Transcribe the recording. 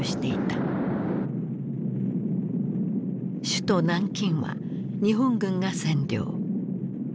首都南京は日本軍が占領。